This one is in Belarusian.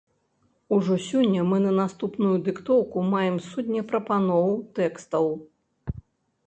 Ужо сёння мы на наступную дыктоўку маем сотні прапаноў тэкстаў!